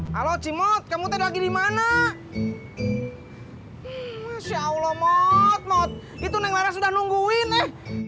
halo halo cimot kamu tadi dimana masya allah mod mod itu neng laras udah nungguin eh